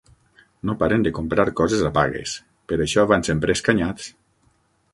No paren de comprar coses a pagues; per això van sempre escanyats.